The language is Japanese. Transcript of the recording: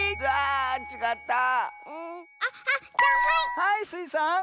はいスイさん。